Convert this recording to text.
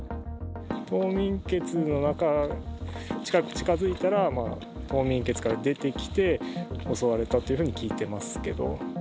冬眠穴の中、近づいたら、冬眠穴から出てきて、襲われたというふうに聞いてますけど。